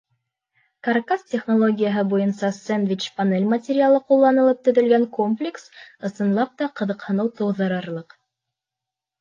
Каркас технологияһы буйынса сэндвич-панель материалы ҡулланылып төҙөлгән комплекс, ысынлап та, ҡыҙыҡһыныу тыуҙырырлыҡ.